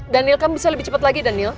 daniel kam bisa lebih cepat lagi daniel